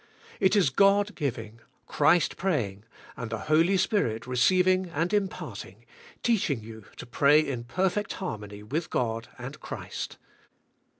It is ^od g iving, Christ praying, and the Holy Spirit receiving and imparting; teaching you to pray in perfect harmony with God and Christ.